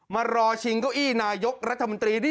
มารอชิงเก้าอี้นายกรัฐมนตรี